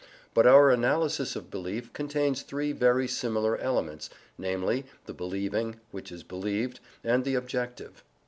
But our analysis of belief contains three very similar elements, namely the believing, what is believed and the objective.